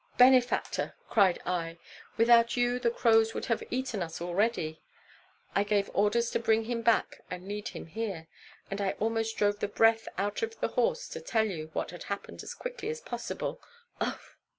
'Benefactor,' cried I, 'without you the crows would have eaten us already!' I gave orders to bring him back and lead him here; and I almost drove the breath out of the horse to tell you what had happened as quickly as possible. Uf!"